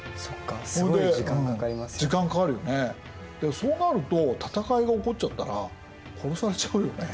そうなると戦いが起こっちゃったら殺されちゃうよね？